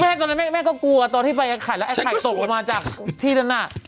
แม่ตอนนั้นแม่ก็กลัวตอนที่ไปกับไข่แล้วไข่ตกมาจากที่ด้านหน้า